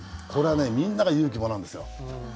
これはみんなが勇気もらうんですよ。